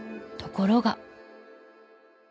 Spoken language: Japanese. ところが。